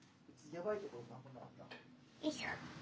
よいしょ。